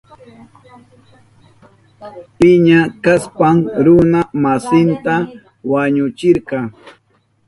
Piña kashpan runa masinta wañuchirka.